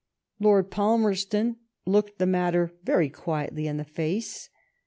Lord Palmerston looked the matter very quietly in the face.